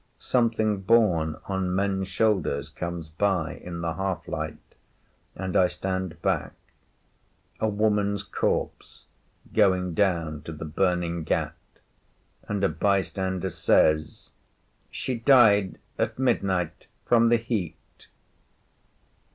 Something borne on men’s shoulders comes by in the half light, and I stand back. A woman’s corpse going down to the burning ghat, and a bystander says, ‘She died at midnight from the heat.